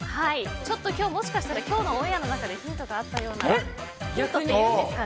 今日、もしかしたらオンエアの中でヒントがあったような。